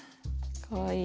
かわいい。